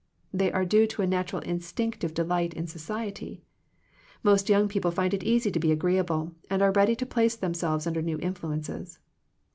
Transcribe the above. They are due to a natural instinctive delight in society. Most young people find it easy to be agreeable, and are ready to place them* selves under new influences.